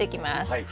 はい。